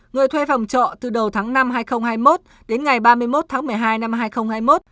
người thuê phòng trọ từ đầu tháng năm hai nghìn hai mươi một đến ngày ba mươi một tháng một mươi hai năm hai nghìn hai mươi một